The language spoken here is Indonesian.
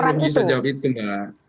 belum bisa jawab itu mbak